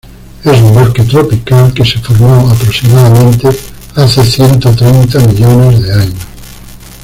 Es un bosque tropical que se formó aproximadamente hace ciento treinta millones de años.